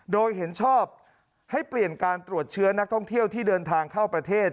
โดยเห็นชอบให้เปลี่ยนการตรวจเชื้อนักท่องเที่ยวที่เดินทางเข้าประเทศ